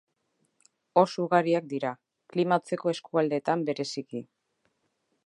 Oso ugariak dira, klima hotzeko eskualdeetan bereziki.